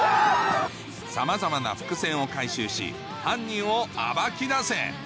さまざまな伏線を回収し犯人を暴き出せ！